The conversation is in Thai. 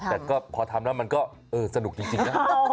แต่ก็พอทำแล้วมันก็สนุกจริงนะ